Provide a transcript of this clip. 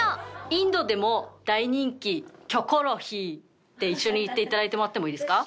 「インドでも大人気『キョコロヒー』」って一緒に言っていただいてもらってもいいですか？